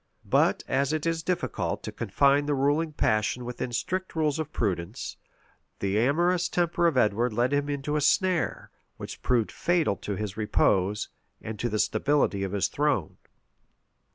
But as it is difficult to confine the ruling passion within strict rules of prudence, the amorous temper of Edward led him into a snare, which proved fatal to his repose, and to the stability of his throne.